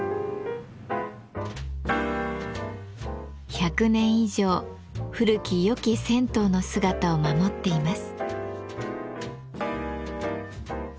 １００年以上古き良き銭湯の姿を守っています。